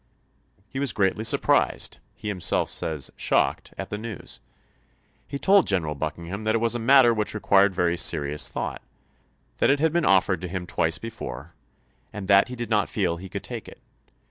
He was greatly surprised, he himself says " shocked," at the news. He told General Buckingham that it was a matter which required very serious thought; that he did not want the command ; that it had been offered to him twice before, and that he did not feel he could take it.